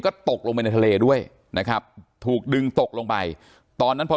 ก็ตกลงไปในทะเลด้วยนะครับถูกดึงตกลงไปตอนนั้นพอ